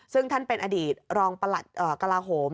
ซึ่งท่านเป็นอดีตรองประหลัดกลาโหม